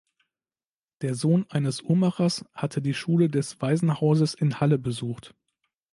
Der Sohn eines Uhrmachers hatte die Schule des Waisenhauses in Halle besucht.